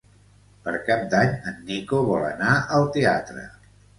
Per Cap d'Any en Nico vol anar al teatre.